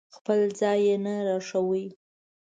خپل ځای یې نه راښوده.